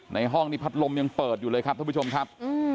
ในห้องนี้พัดลมยังเปิดอยู่เลยครับท่านผู้ชมครับ